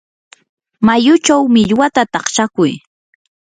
mayuchaw millwata takshakuy.